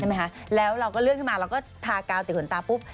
ไหมคะแล้วเราก็เลื่อนขึ้นมาเราก็ทากาวติดขนตาปุ๊บ